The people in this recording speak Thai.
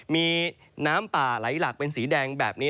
มีน้ำป่าไหลหลักเป็นสีแดงแบบนี้